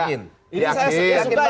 ini saya suka